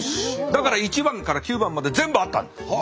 だから１番から９番まで全部あったんです！